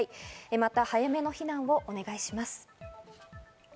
また、早めの避難をお願いします。